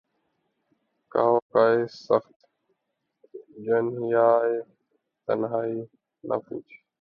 کاؤ کاوِ سخت جانیہائے تنہائی، نہ پوچھ